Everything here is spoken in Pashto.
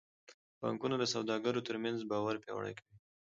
بانکونه د سوداګرو ترمنځ باور پیاوړی کوي.